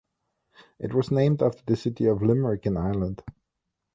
It was named after the city of Limerick in Ireland.